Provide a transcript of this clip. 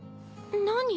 何？